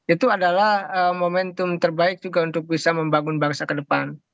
itu adalah momentum terbaik juga untuk bisa membangun bangsa ke depan